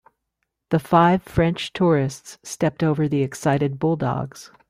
The five French tourists stepped over the excited bulldogs.